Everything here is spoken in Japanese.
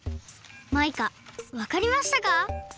マイカわかりましたか？